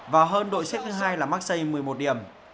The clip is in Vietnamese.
và hơn đội xếp thứ hai là maxi một mươi một điểm